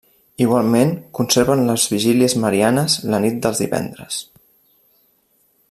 Igualment, conserven les vigílies marianes la nit dels divendres.